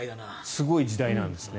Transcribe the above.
すごい時代なんですね。